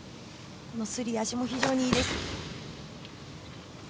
すり足も非常にいいです。